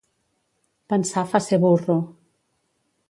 Pensar fa ser burro.